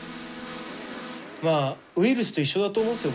まあウイルスと一緒だと思うんですよ